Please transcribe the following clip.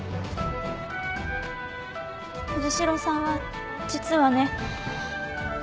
藤代さんは実はね。